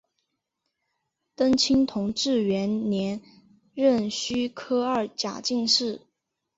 登清同治元年壬戌科二甲进士。